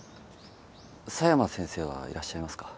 佐山先生はいらっしゃいますか？